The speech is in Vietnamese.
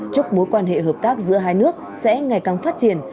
chúc mối quan hệ hợp tác giữa hai nước sẽ ngày càng phát triển